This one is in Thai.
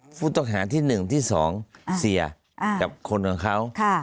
ผู้ต้องหาที่หนึ่งที่สองเสียอ่ากับคนของเขาค่ะ